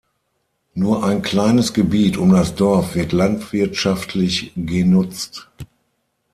Nur ein kleines Gebiet um das Dorf wird landwirtschaftlich genutzt.